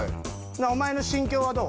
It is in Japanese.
お前の心境はどう？